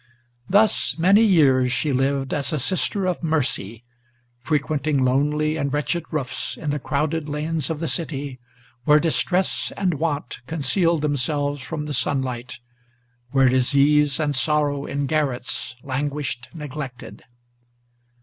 Thus many years she lived as a Sister of Mercy; frequenting Lonely and wretched roofs in the crowded lanes of the city, Where distress and want concealed themselves from the sunlight, Where disease and sorrow in garrets languished neglected.